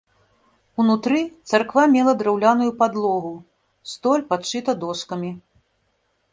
Унутры царква мела драўляную падлогу, столь падшыта дошкамі.